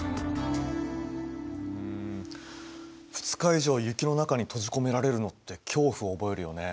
２日以上雪の中に閉じ込められるのって恐怖を覚えるよね。